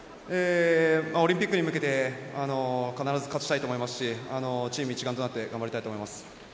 オリンピックに向けて必ず勝ちたいと思いますしチーム一丸となって頑張りたいと思います。